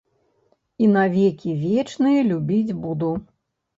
І на векі вечныя любіць буду.